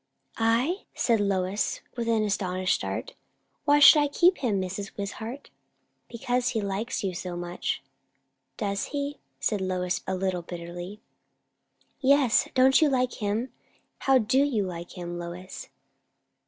"I!" said Lois with an astonished start. "Why should I keep him, Mrs. Wishart?" "Because he likes you so much." "Does he?" said Lois a little bitterly. "Yes! Don't you like him? How do you like him, Lois?"